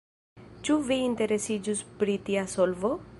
Ĉu vi interesiĝus pri tia solvo?